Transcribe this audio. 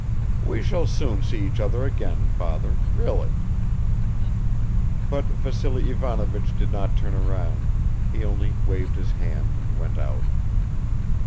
"We shall soon see each other again, father, really." But Vassily Ivanovich did not turn round, he only waved his hand and went out.